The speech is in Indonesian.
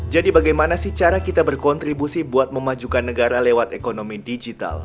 jadi bagaimana sih cara kita berkontribusi buat memajukan negara lewat ekonomi digital